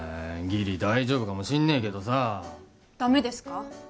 ギリ大丈夫かもしんねえけどさダメですか？